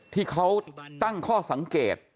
ที่เขาตั้งข้อสังเกต